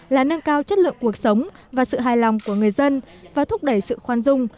là nâng cao chất lượng cuộc sống và sự hài lòng của người dân và thúc đẩy sự khoan dung